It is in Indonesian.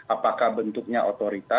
apakah bentuknya otorita